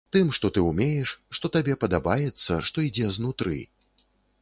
Тым, што ты ўмееш, што табе падабаецца, што ідзе знутры.